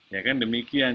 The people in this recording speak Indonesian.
ya kan demikian